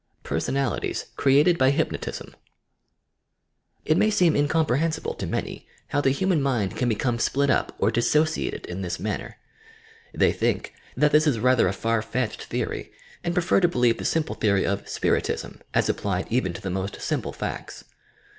PERSONALITIES CREATED BT HYPNOTISM It may seem incomprehensible to many how the human mind can become split up or "dissociated" in this man They think that this is rather a far fetched theory and prefer to believe the simple theory of "Spiritism" 88 applied even to the most simple facts.